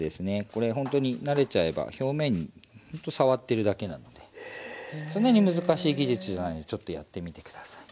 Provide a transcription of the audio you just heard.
これほんとに慣れちゃえば表面にほんと触ってるだけなのでそんなに難しい技術じゃないのでちょっとやってみて下さい。